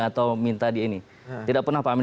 atau minta di ini tidak pernah pak amin